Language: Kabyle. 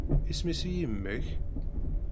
Isem-is i yemma-k?